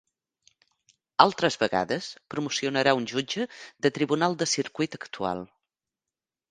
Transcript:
Altres vegades, promocionarà un Jutge de tribunal de circuit actual.